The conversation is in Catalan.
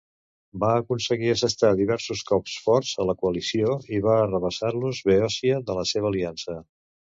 Va aconseguir assestar diversos cops forts a la coalició i va arrabassar-los Beòcia de la seva aliança.